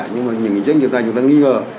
nhưng mà những doanh nghiệp này chúng ta nghi ngờ